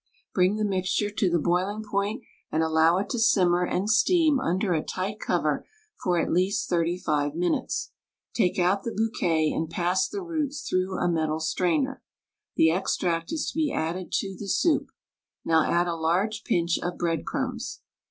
Bring the mixture to the boiling point and allow it to •simmer and steam under a tight cover for at least thirty five minutes. Take out the bouquet and pass the roots through a metal strainer. The extract is to be added to the soup. Now add a large pinch of bread crumbs.